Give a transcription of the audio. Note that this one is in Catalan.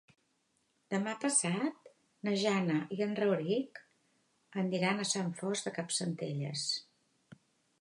Demà passat na Jana i en Rauric aniran a Sant Fost de Campsentelles.